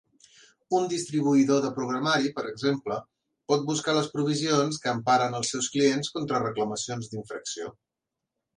Un distribuïdor de programari, per exemple, pot buscar les provisions que emparen els seus clients contra reclamacions d'infracció.